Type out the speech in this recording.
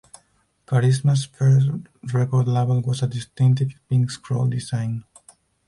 Charisma's first record label was a distinctive "pink scroll" design.